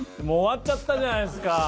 もう終わっちゃったじゃないですか。